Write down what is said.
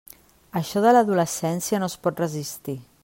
Això de l'adolescència no es pot resistir.